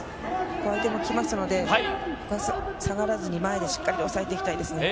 相手も来ますので、ここは下がらずに前でしっかりと押さえていきたいですね。